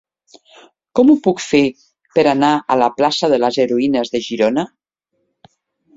Com ho puc fer per anar a la plaça de les Heroïnes de Girona?